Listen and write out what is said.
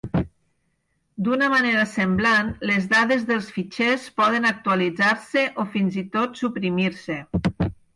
D'una manera semblant, les dades dels fitxers poden actualitzar-se o, fins i tot, suprimir-se.